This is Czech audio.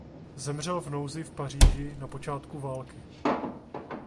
Zemřel v nouzi v Paříži na počátku války.